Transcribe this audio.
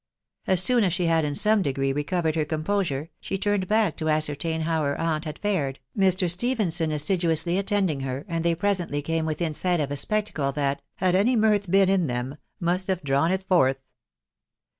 As soon as she had in some degree recovered her composure, she turned back to ascertain how her aunt had fared, Mr. Stephenson assiduously attending her, and they presently came within sight of a spectacle that, had any mirth been in them, must have drawn it forth.